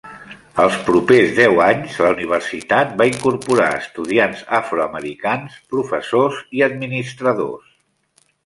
Els propers deu anys, la Universitat va incorporar estudiants afroamericans, professors i administradors.